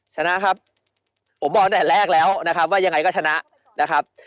ชนะครับผมบอกตั้งแต่แรกแล้วนะครับว่ายังไงก็ชนะนะครับ